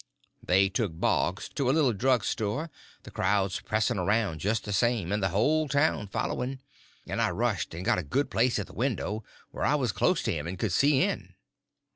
They took Boggs to a little drug store, the crowd pressing around just the same, and the whole town following, and I rushed and got a good place at the window, where I was close to him and could see in.